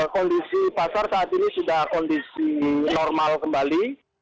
kondisi pasar saat ini sudah kondisi normal kembali